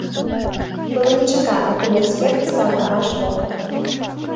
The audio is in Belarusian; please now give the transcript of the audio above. Было нечакана, калі эксперт стаў на наш бок.